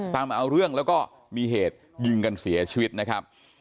ตามมาเอาเรื่องแล้วก็มีเหตุยิงกันเสียชีวิตนะครับ